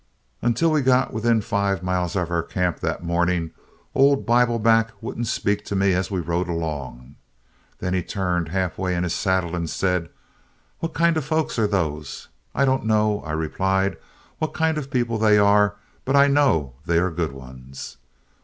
"Until we got within five miles of our camp that morning, old Bibleback wouldn't speak to me as we rode along. Then he turned halfway in his saddle and said: 'What kind of folks are those?' 'I don't know,' I replied, 'what kind of people they are, but I know they are good ones.'